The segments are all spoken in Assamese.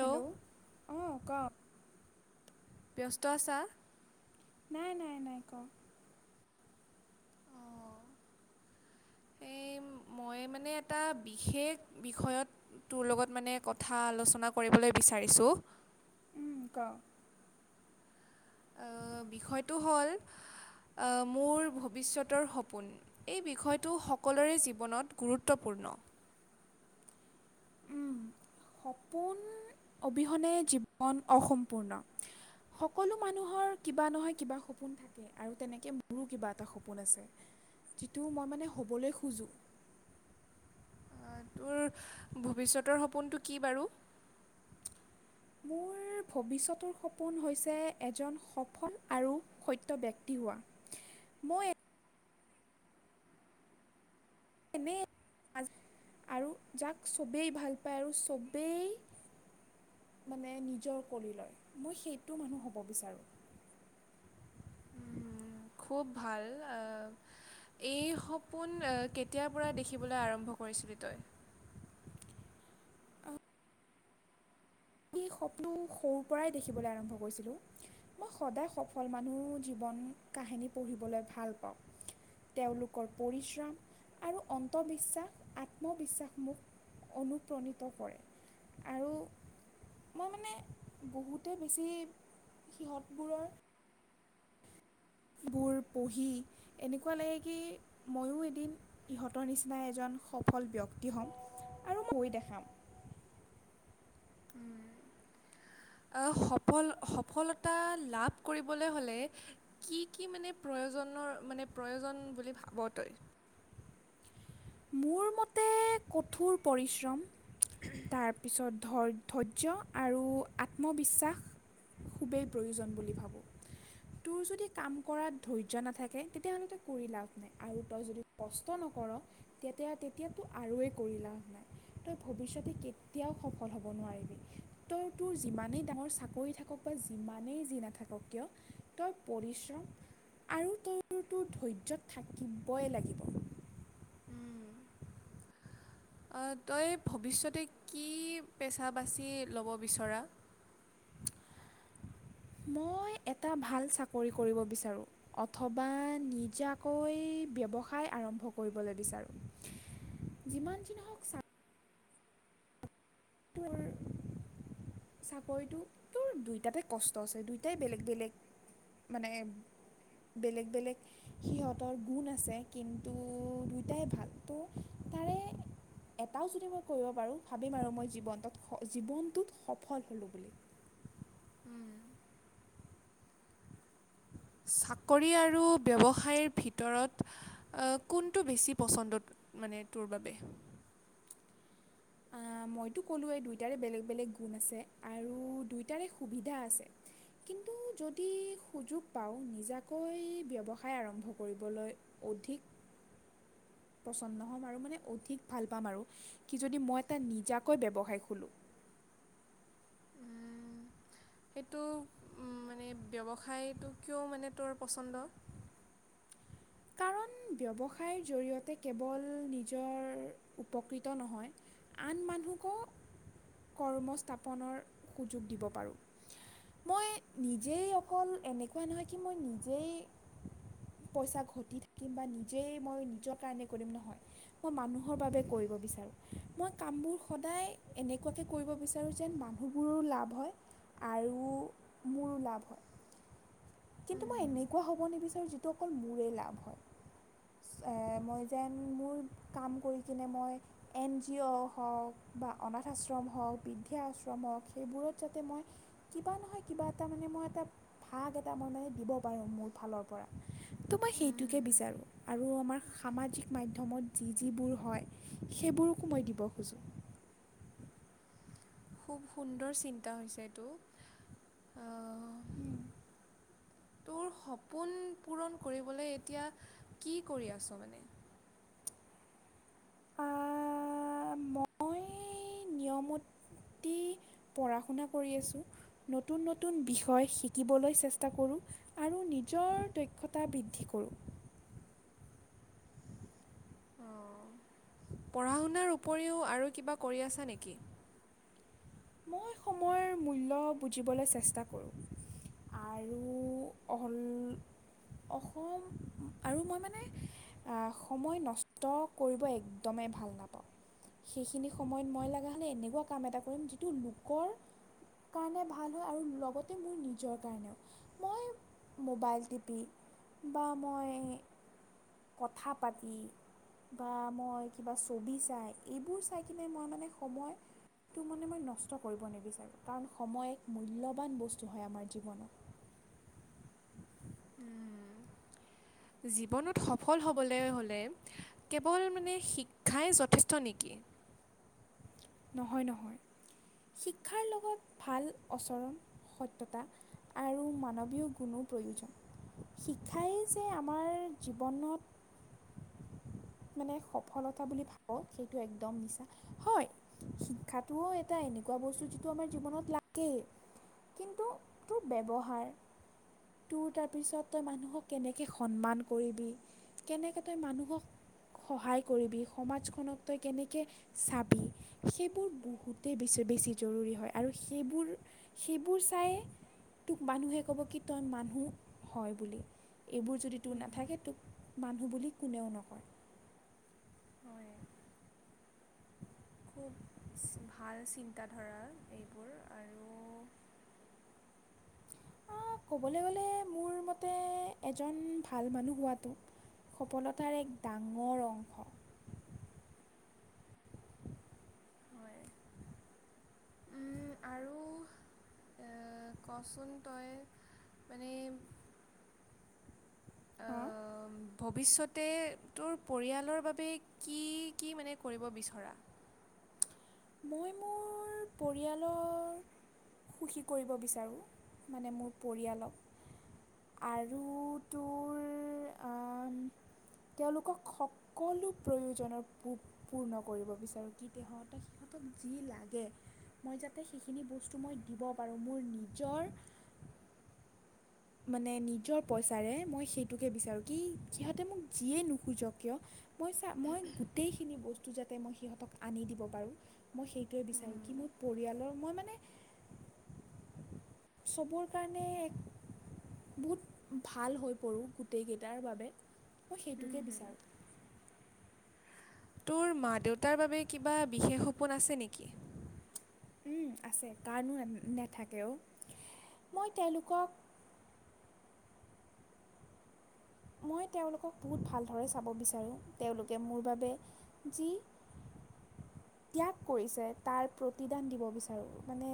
হেল্ল' অঁ কওক ব্যস্ত আছা নাই নাই নাই। অঁ এই মই মানে এটা বিশেষ বিষয়ত তোৰ লগত মানে কথা আলোচনা কৰিবলৈ বিচাৰিছোঁ ক। বিষয়টো হ'ল, অ মোৰ ভৱিষ্যতৰ সপোন। এই বিষয়টো সকলোৰে জীৱনত গুৰুত্বপূৰ্ণ। সপোন অবিহনে জীৱন অসম্পূৰ্ণ, সকলো মানুহৰ কিবা নহয় কিবা সপোন থাকে, আৰু তেনেকৈ মোৰো কিবা এটা সপোন আছে যিটো মই মানে হ'বলৈ খোজোঁ আহ, তোৰ ভৱিষ্যতৰ সপোনটো কি বাৰু? মোৰ ভৱিষ্যতৰ সপোন হৈছে এজন সফল আৰু সত্য ব্যক্তি হোৱা। মই এনে আৰু যাক সবেই ভাল পায় আৰু সবেই মানে নিজৰ কৰি লয় মই সেইটো মানুহ হ'ব বিচাৰোঁ। খুব ভাল এই সপোন কেতিয়াৰ পৰা দেখিবলৈ আৰম্ভ কৰিছিলি তই? এই সপোন সৰুৰ পৰাই দেখিবলৈ আৰম্ভ কৰিছিলোঁ। মই সদায় সফল মানুহ জীৱন কাহিনী পঢ়িবলৈ ভাল পাওঁ, তেওঁলোকৰ পৰিশ্ৰম আৰু অন্তবিশ্বাস আত্মবিশ্বাস মোক অনুপ্ৰাণিত কৰে। আৰু মই মানে বহুতে বেছি সিহঁতবোৰৰ বোৰ পঢ়ি এনেকুৱা লাগে কি ময়ো এদিন ইহঁতৰ নিচিনা এজন সফল ব্যক্তি হ'ম আৰু ময়ো দেখাম। স সফলতা লাভ কৰিবলৈ হ'লে কি কি মানে প্ৰয়োজনৰ প্ৰয়োজন বুলি ভাব তই? মোৰ মতে কঠোৰ পৰিশ্ৰম তাৰপিছত ধৈৰ্য্য আৰু আত্মবিশ্বাস খুবেই প্ৰয়োজন বুলি ভাবোঁ। তোৰ যদি কাম কৰাত ধৈৰ্য্য নাথাকে তেতিয়াহ'লে তই কৰি লাভ নাই আৰু তই যদি কষ্ট নকৰ তেতিয়া তেতিয়া তোৰ আৰুৱেই কৰি লাভ নাই। তই ভৱিষ্যতে কেতিয়াও সফল হ'ব নোৱাৰিবি, তই তোৰ যিমানেই ডাঙৰ চাকৰি থাকক বা যিমানেই যি নাথাকক কিয় তই পৰিশ্ৰম আৰু তই তোৰ ধৈৰ্য্যত থাকিবই লাগিব। উম, তই ভৱিষ্যতে কি পেচা বাচি ল'ব বিচৰা? মই এটা ভাল চাকৰি কৰিব বিচাৰোঁ, অথবা নিজাকৈ ব্যৱসায় আৰম্ভ কৰিবলৈ বিচাৰোঁ। যিমান যি নহওক তোৰ চাকৰিটো তোৰ দুইটাতে কষ্ট আছে দুয়টাই বেলেগ বেলেগ, মানে বেলেগ বেলেগ সিহঁতৰ গুণ আছে কিন্তু দুইটাই ভাল ত' তাৰে এটাও যদি মই কৰিব পাৰোঁ ভাবিম আৰু মই জীৱনটোত জীৱনটোত সফল হ'লোঁ বুলি। চাকৰি আৰু ব্যৱসায়ৰ ভিতৰত কোনটো বেছি পচন্দ মানে তোৰ বাবে? মইতো ক'লোৱৱেই দুয়োটাৰে বেলেগ বেলেগ গুণ আছে। আৰু দুইটাৰে সুবিধা আছে, কিন্তু যদি সুযোগ পাওঁ নিজাকৈ ব্যৱসায় আৰম্ভ কৰিবলৈ অধিক পচন্দ হ'ম আৰু মানে অধিক ভাল পাম আৰু। কি যদি মই এটা নিজাকৈ ব্যৱসায় খোলোঁ। উম, সেইটো মানে ব্যৱসায়টো কিয় মানে তোৰ পচন্দ? কাৰণ ব্যৱসায়ৰ জৰিয়তে কেৱল নিজৰ উপকৃত নহয় আন মানুহকো কৰ্মস্থাপনৰ সুযোগ দিব পাৰোঁ। মই নিজেই অকল এনেকুৱা নহয় কি মই নিজেই পইচা ঘটি থাকিম বা নিজেই মই নিজৰ কাৰণে কৰিম নহয় মই মানুহৰ বাবে কৰিব বিচাৰোঁ। মই কামবোৰ সদায় এনেকুৱাকে কৰিব বিচাৰোঁ যেন মানুহবোৰৰো লাভ হয় আৰু মোৰো লাভ হয়। কিন্তু মই উম, এনেকুৱা হ'ব নিবি তেওঁ যিটো অকল মূৰে লাভ হয়। মই যেন মোৰ কাম কৰি কিনে মই এন জি অ' হওক বা অনাথ আশ্ৰম হওক বৃদ্ধি আশ্ৰম হওক সেইবোৰত যাতে মই কিবা নহয় কিবা এটা মানে মই এটা ভাগ এটা মই মানে দিব পাৰোঁ মোৰ ফালৰ পৰ ত' মই সেই টোকে উম, বিচাৰোঁ আৰু আমাৰ সামাজিক মাধ্যমত যি যিবোৰ হয় সেইবোৰকো মই দিব খোজোঁ। খুব সুন্দৰ চিন্তা হৈছে এইটো। উম। তোৰ সপোন পূৰণ কৰিবলৈ এতিয়া কি কৰি আছ মানে? আ মই নিয়মতি পঢ়া শুনা কৰি আছোঁ। নতুন নতুন বিষয় শিকিবলৈ চেষ্টা কৰোঁ, আৰু নিজৰ দক্ষতা বৃদ্ধি কৰোঁ। পঢ়া শুনাৰ উপৰিও আৰু কিবা কৰি আছা নেকি? মই সময়ৰ মূল্য বুজিবলৈ চেষ্টা কৰোঁ, আৰু অ অসম আৰু মই মানে সময় নষ্ট কৰিব একদমেই ভাল নাপাওঁ। সেইখিনি সময়ত মই লগা হ'লে এনেকুৱা কাম এটা কৰিম যি টো লোকৰ কাৰণে ভাল হয় আৰু লগতে মোৰ নিজৰ কাৰণেও। মই মোবাইল টিভি বা মই কথা পাতি বা মই কিবা ছবি চাই এইবোৰ চাই কিনে মই মানে সময়টো মানে মই কষ্ট কৰিব নিবিচাৰো কাৰণ সময় এক মূল্যবান বস্তু হয় আমাৰ জীৱনত। জীৱনত সফল হ'বলৈ হ'লে কেৱল মানে শিক্ষাই যথেষ্ট নেকি? নহয় নহয় শিক্ষাৰ লগত ভাল আচৰণ আৰু হত্যতা মানৱীয় গুণো প্ৰয়োজন। শিক্ষাই যে আমাৰ জীৱনত মানে সফলতা বুলি ভাব সেইটো একদম মিছা। হয় শিক্ষাটোও এটা এনেকুৱা বস্তু যিটো আমাৰ জীৱনত লাগেই, কিন্তু তোৰ ব্যৱহাৰ তোৰ তাৰপিছত তই মানুহক কেনেকৈ সন্মান কৰিবি, কেনেকে তই মানুহক সহায় কৰিবি সমাজখনক তই কেনেকে চাবি সেইবোৰ বহুতেই বেছি জৰুৰী হয়। আৰু সেইবোৰ সেইবোৰ চাই তোক মানুহে ক'ব কি তই মানুহ হয় বুলি। এইবোৰ যদি তোৰ নাথাকে তোক মানুহ বুলি কোনেও নকয়। হয়, খুব ভাল চিন্তাধাৰা এইবোৰ আৰু। ক'বলৈ গ'লে মোৰ মতে এজন ভাল মানুহ হোৱাটো সফলতাৰ এক ডাঙৰ অংশ। হয়। উম, আৰু এ, কচোন তই, মানে আ, হা? ভৱিষ্যতে তোৰ পৰিয়ালৰ বাবে কি - কি মানে কৰিব বিচৰা? মই মোৰ পৰিয়ালৰ- সুখী কৰিব বিচাৰোঁ। মানে মোৰ পৰিয়ালক। আৰু তোৰ- আম- তেওঁলোকক সকলো প্ৰয়োজনৰ পূ- পূৰ্ণ কৰিব বিচাৰোঁ, কি তে- সিহঁতে সিঁহতক যি লাগে, মই যাতে সেইখিনি বস্তু মই দিব পাৰোঁ। মোৰ নিজৰ মানে নিজৰ পইচাৰে মই সেইটোকে বিচাৰোঁ। কি সিহঁতে মোক যিয়ে নোখোজক কিয়, মই চা- মই গোটেইখিনি বস্তু যাতে মই সিহঁতক আনি দিব পাৰোঁ। মই সে ইটোৱে বিচাৰোঁ কি উম, মোৰ পৰিয়াল মই মানে, চবৰ কাৰণে এক বহুত ভাল হৈ পৰোঁ, গোটেইকেইটাৰ বাবে। মই সেইটোকে বিচাৰোঁ। তোৰ মা-দেউতাৰ বাবে কিবা বিশেষ সপোন আছে নেকি? উম, আছে। কাৰ নো নেথাকে অ'? মই তেওঁলোকক মই তেওঁলোকক বহুত ভালদৰে চাব বিচাৰোঁ। তেওঁলোকে মোৰ বাবে যি ত্যাগ কৰিছে, তাৰ প্ৰতিদান দিব বিচাৰোঁ। মানে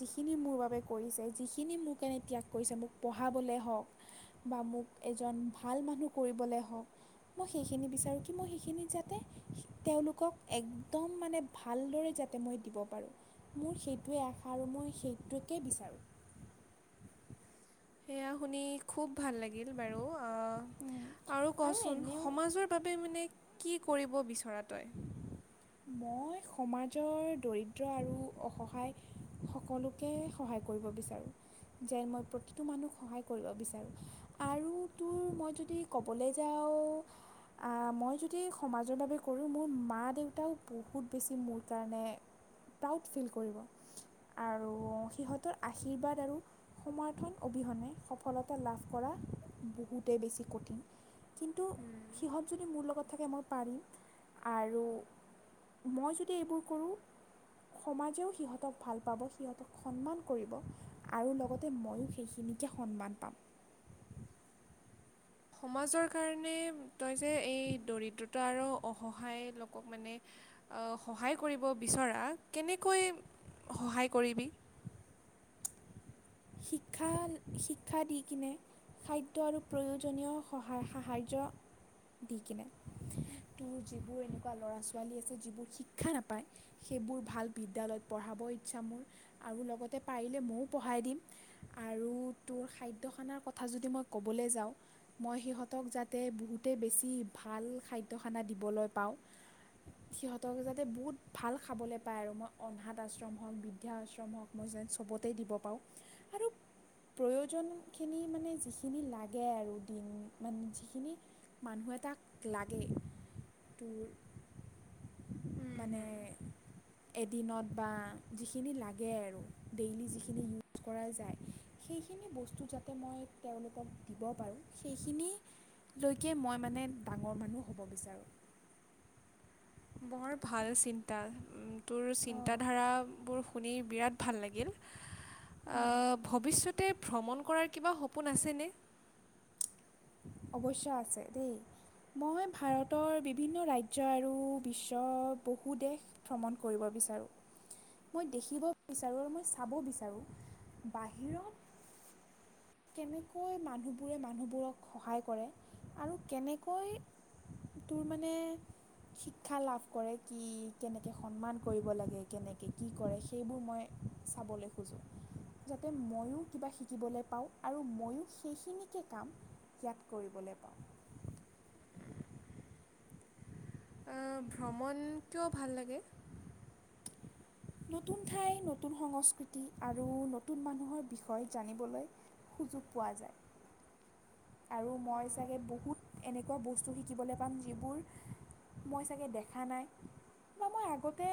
যিখিনি মোৰ বাবে কৰিছে, যিখিনি মোক কেনে ত্যাগ কৰিছে, মোক পঢ়াবলৈ হওঁক বা মোক এজন ভাল মানুহ কৰিবলৈ হওঁক, মই সেইখিনি বিচাৰোঁ। কি মই সেইখিনিত যাতে তেওঁলোকক এক একদম মানে ভালদৰে যাতে মই দিব পাৰোঁ। মোৰ সেইটোৱে আশা আৰু মই সেইটোকে বিচাৰোঁ। সেয়া শুনি খুব ভাল লা গিল বাৰু। অ' আৰু কচোন সমাজৰ বাবে মানে কি কৰিব বিচৰা তই? মই সমাজৰ দৰিদ্ৰ আৰু অসহায় সকলোকে সহায় কৰিব বিচাৰোঁ। যেন মই প্ৰতিটো মানুহক সহায় কৰিব বিচাৰোঁ। আৰু তোৰ মই যদি ক'বলৈ যাওঁ, অ' মই যদি সমাজৰ বাবে কৰোঁ, মোৰ মা-দেউ তাও বহুত বেছি মোৰ কাৰণে প্ৰাউড ফিল কৰিব। আৰু সিহঁতৰ আশীৰ্বাদ আৰু সমাৰ্থন অবিহনে সফলতা লাভ কৰা বহুতেই বেছি কঠিন। কিন্তু সিহঁত যদি মোৰ লগ গত থাকে, মই পাৰিম। আৰু মই যদি এইবোৰ কৰোঁ, সমাজেও সিহঁতক ভাল পাব। সিহঁতক সন্মান কৰিব। আৰু লগতে ময়ো সেইখিনিকে সন্মান পাম। সমাজৰ কাৰণে তই যে এই দৰিদ্ৰতা আৰু অসহায় লোকক মানে, অ'- সহায় কৰিব বিচৰা, কেনেকৈ সহায় কৰিবি? শিক্ষা- শিক্ষা দি কিনে, খাদ্য আৰু প্ৰয়োজনীয় সহায়-সাহাৰ্য্য দি কেনে। তোৰ যিবোৰ এনেকুৱা ল'ৰা-ছোৱালী আছে যিবোৰ শিক্ষা নাপায়, সেইবোৰ ভাল বিদ্যালয়ত পঢ়াব ইচ্ছা মোৰ। আৰু লগতে পাৰিলে ময়ো পঢ়াই দিম। আৰু তোৰ খাদ্য-খানাৰ কথা যদি মই ক'বলৈ যাওঁ, মই সিহঁতক যাতে বহুতে বেছি ভাল খাদ্য খানা দিবলৈ পাওঁ। সিহঁতক যাতে বহুত ভাল খাবলৈ পায় আৰু, মই অনাথ আশ্ৰম হওঁক, বৃদ্ধ্যা আশ্ৰম হওঁক, মই সবতে দিব পাওঁ। আৰু প্ৰয়োজনখিনি মানে যিখিনি লাগে আৰু দিন মানে, যিখিনি মানুহ এটাক লাগে, তোৰ হুম মানে হুম এদিনত বা যিখিনি লাগে আৰু। ডেইলি যিখিনি ইউজ পৰা যায়, সেইখিনি বস্তু যাতে মই তেওঁলোকক দিব পাৰোঁ। সেইখিনিলৈকে মই মানে ডাঙৰ মানুহ হব বিচাৰোঁ। বৰ ভাল চিন্তা, উম। তোৰ অঁ চিন্তাধাৰাবোৰ শুনি বিৰাট ভাল লাগিল। অ' ভৱিষ্যত তে ভ্ৰমণ কৰাৰ কিবা সপোন আছেনে? অৱশ্যে আছে দেই। মই ভাৰতৰ বিভিন্ন ৰাজ্য আৰু বিশ্বৰ বহু দেশ ভ্ৰমণ কৰিব বিচাৰোঁ। মই দেখিব বিচাৰোঁ আৰু মই চাব বিচাৰোঁ, বাহিৰত কেনেকৈ মানুহবোৰে মানুহবোৰক সহায় কৰে। আৰু কেনেকৈ তোৰ মানে শিক্ষা লাভ কৰে? কি কেনেকৈ সন্মান কৰিব লাগে? কেনেকৈ কি কৰে, সেইবোৰ মই চাবলৈ খোজোঁ। যাতে ময়ো কিবা শিকিবলৈ পাওঁ। আৰু ময়ো সেইখিনিকে কাম ইয়াত কৰিবলৈ পাওঁ। অ' ভ্ৰমণ কিয় ভাল লাগে? নতুন ঠাই, নতুন সংস্কৃতি আৰু নতুন মানুহৰ বিষয়ে জানিবলৈ সুযোগ পোৱা যায়। আৰু মই চাগে বহুত এনেকুৱা বস্তু শিকিবলৈ পাম, যিবোৰ মই চাগে দেখা নাই। বা মই আগতে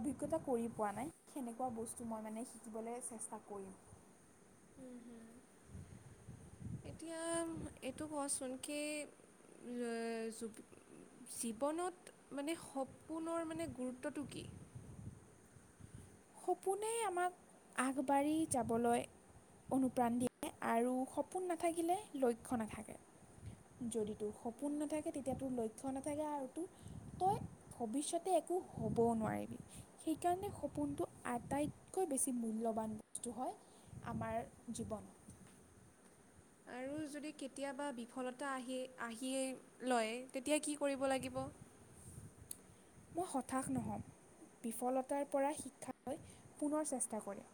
অভিজ্ঞতা কৰি পোৱা নাই, সেনেকুৱা বস্তু মই মানে শিকিবলৈ চেষ্টা কৰিম। উম - হুম। এতিয়া এইটো ক চোন কি অ জীৱনত মানে সপোনৰ মানে গুৰুত্বটো কি। সপোনেই আমাক আগবাঢ়ি যাবলৈ অনুপ্ৰাণ দিয়ে আৰু সপোন নাথাকিলে লক্ষ্য নাথাকে যদি তোৰ সপোন নাথাকে তেতিয়া তোৰ লক্ষ্য নাথাকে আৰু তোৰ তই ভৱিষ্যতে একো হ'বও নোৱাৰিবি সেইকাৰণে সপোনটো। আটাইতকৈ বেছি মূল্যৱান বস্তু হয় আমাৰ জীৱন। আৰু যদি কেতিয়াবা বিফলতা আহি আহিয়ে লয় তেতিয়া কি কৰিব লাগিব। মই হতাশ নহওঁ বিফলতাৰ পৰা শিক্ষা লৈ পুনৰ চেষ্টা কৰিম।